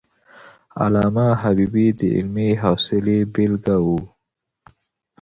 علامه حبيبي د علمي حوصلي بېلګه وو.